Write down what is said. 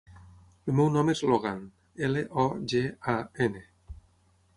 El meu nom és Logan: ela, o, ge, a, ena.